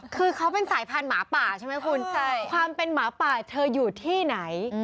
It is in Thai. คือเขาเป็นสายพันธหมาป่าใช่ไหมคุณความเป็นหมาป่าเธออยู่ที่ไหน